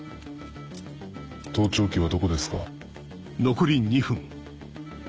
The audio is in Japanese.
盗聴器はどこですか？